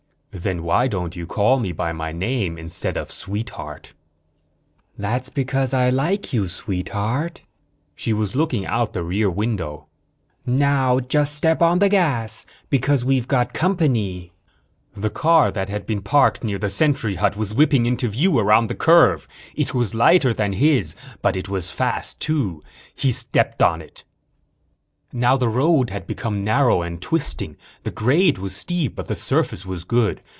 "Then why don't you call me by my name, instead of 'Sweetheart'?" "That's because I like you, Sweetheart." She was looking out the rear window. "Now just step on the gas, because we've got company." The car that had been parked near the sentry hut was whipping into view around the curve. It was lighter than his, but it was fast, too. He stepped on it. Now the road had become narrow and twisting. The grade was steep but the surface was good.